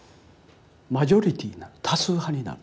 マジョリティになる多数派になる。